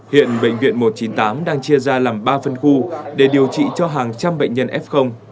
hiện bệnh viện một trăm chín mươi tám đang chia ra làm ba phân khu để điều trị cho hàng trăm bệnh nhân f